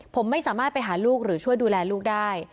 ผมไม่สามารถไปหาลูกหรือช่วยดูแลลูกได้